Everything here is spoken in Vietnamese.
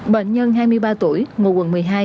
bệnh nhân hai mươi ba tuổi ngồi quần một mươi hai